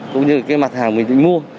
cũng như cái mặt hàng mình bị mua